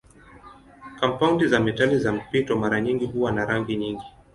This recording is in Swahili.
Kampaundi za metali za mpito mara nyingi huwa na rangi nyingi.